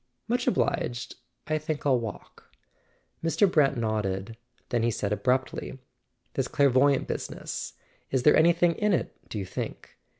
"Much obliged; I think I'll walk." Mr. Brant nodded; then he said abruptly: "This clairvoyante business: is there anything in it, do you think?